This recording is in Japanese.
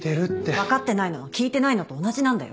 分かってないのは聞いてないのと同じなんだよ。